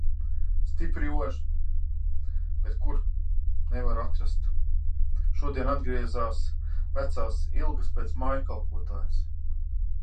Stipri ož. Bet kur - nevaru atrast. Šodien atgriezās vecās ilgas pēc mājkalpotājas.